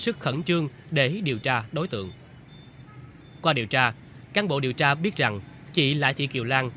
sức khẩn trương để điều tra đối tượng qua điều tra cán bộ điều tra biết rằng chị lại thị kiều lan